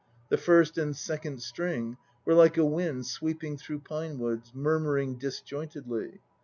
The first and second string Were like a wind sweeping through pine woods, Murmuring disjointedly.